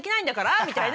みたいな。